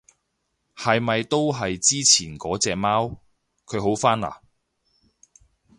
係咪都係之前嗰隻貓？佢好返嘞？